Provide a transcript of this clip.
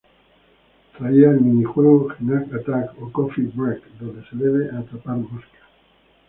Traía el mini-juego "Gnat Attack" ó "Coffee Break" donde debes atrapar moscas.